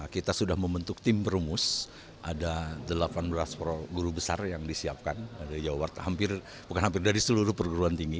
kita sudah membentuk tim perumus ada delapan belas guru besar yang disiapkan dari jawa barat hampir bukan hampir dari seluruh perguruan tinggi